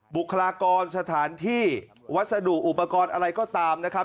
บุคลากรสถานที่วัสดุอุปกรณ์อะไรก็ตามนะครับ